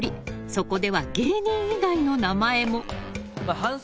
そこでは芸人以外の名前も。